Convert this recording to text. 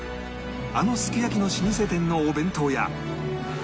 あのすき焼きの老舗店のお弁当や